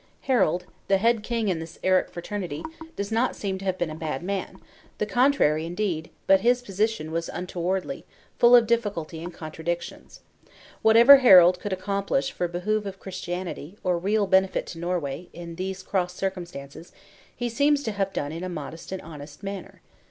Harald, the head king in this Eric fraternity, does not seem to have been a bad man, the contrary indeed; but his position was untowardly, full of difficulty and contradictions. Whatever Harald could accomplish for behoof of Christianity, or real benefit to Norway, in these cross circumstances, he seems to have done in a modest and honest manner.